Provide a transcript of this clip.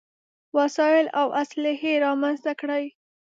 وسايل او اسلحې رامنځته کړې.